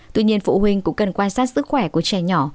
tuy nhiên phụ huynh cũng cần quan sát sức khỏe của trẻ nhỏ